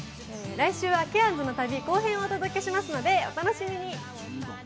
来週はケアンズの旅、後編をお届けしますので、お楽しみに。